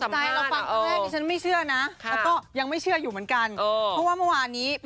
ตกใจเหมือนกันนะดูสำหรับ